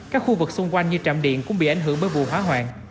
các khu vực xung quanh như trạm điện cũng bị ảnh hưởng bởi vụ hỏa hoạn